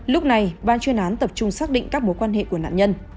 lúc này ban chuyên án tập trung xác định các mối quan hệ của nạn nhân